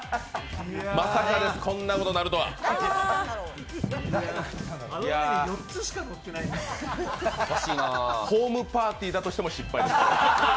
まさかです、こんなことになるとはホームパーティーだとしても失敗です。